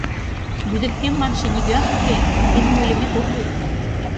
Лӱдыктем манше нигӧат уке, тидым ойлымет ок кӱл.